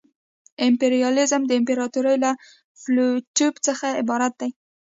امپریالیزم د امپراطورۍ له پلویتوب څخه عبارت دی